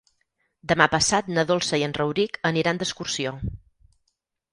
Demà passat na Dolça i en Rauric aniran d'excursió.